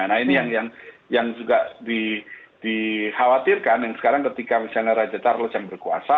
nah ini yang juga dikhawatirkan yang sekarang ketika misalnya raja charles yang berkuasa